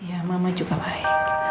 iya mama juga baik